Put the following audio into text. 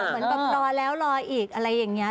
เหมือนแบบรอแล้วรออีกอะไรอย่างนี้